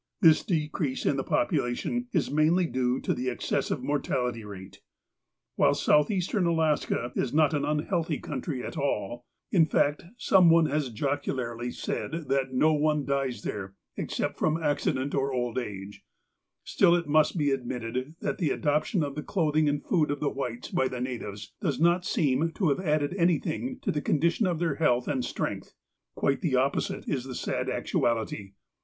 This decrease in the population is mainly due to the excessive mortality rate. While Southeastern Alaska is not an unhealthy coun SOME METLAKAHTLA HISTORY 331 try iit all (in fact, some one has jocularly said that no one dies there, except from accident or old age), still, it must be admitted that the adoption of the clothing and food of the whites by the natives does not seem to have added anything to the condition of their health and strength. Quite the opposite is the sad actuality.